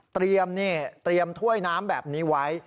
เตรียมเนี่ยเตรียมถ้วยน้ำแบบนี้ไว้